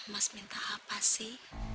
mas minta apa sih